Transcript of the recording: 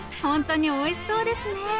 ホントにおいしそうですね！